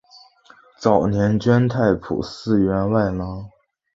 早年捐太仆寺员外郎。